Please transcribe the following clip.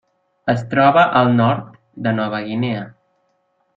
Es troba al nord de Nova Guinea.